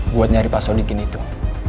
buat nyari pasal di gini tuh